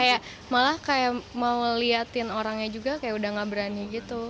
kayak malah kayak mau ngeliatin orangnya juga kayak udah gak berani gitu